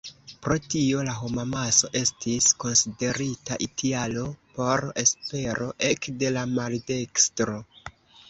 Pro tio la homamaso estis konsiderita tialo por espero ekde la maldekstro.